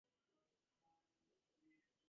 His father had done the same.